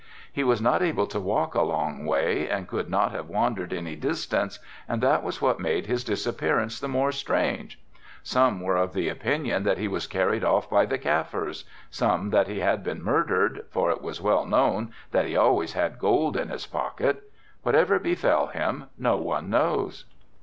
He was not able to walk a long way and could not have wandered any distance and that was what made his disappearance the more strange. Some were of the opinion that he was carried off by the Kaffirs, some that he had been murdered, for it was well known that he always had gold in his pocket. Whatever befell him no one knows."